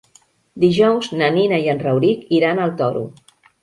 Dijous na Nina i en Rauric iran al Toro.